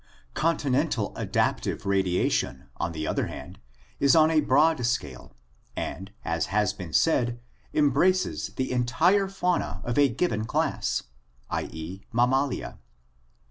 Continental Adaptive Radiation, on the other hand, is on a broad scale and, as has been said, embraces the entire fauna of a given class (i. e., Mammalia).